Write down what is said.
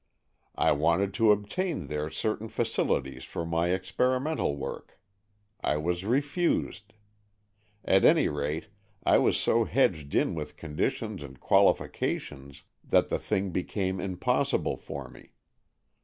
I wanted to obtain there certain facilities for my experimental work. I was refused. At any rate I was so hedged in with conditions and qualifications that the thing became impossible for me.